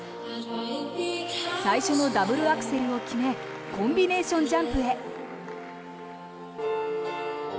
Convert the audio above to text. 最初のダブルアクセルを決めコンビネーションジャンプへ。